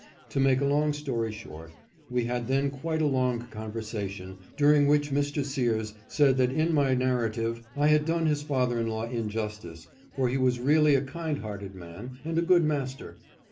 To make a long story short, we had then quite a long conversation, during which Mr. Sears said that in my " Narrative " I had done his father in law injustice, for he was really a kind hearted man, and a good master.